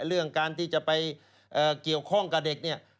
เรื่องการที่จะไปเกี่ยวข้องกับเด็กเนี่ย